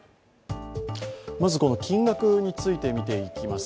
まずこの金額についてみていきます。